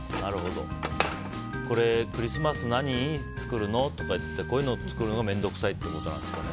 クリスマス何作るの？とか言ってこういうの作るの面倒くさいってことなんですかね。